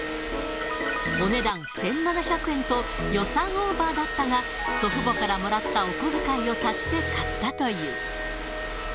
お値段１７００円と、予算オーバーだったが、祖父母からもらったお小遣いを足して買ったという。